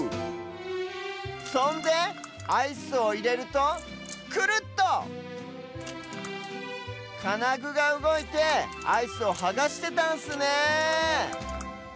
そんでアイスをいれるとクルッとかなぐがうごいてアイスをはがしてたんすね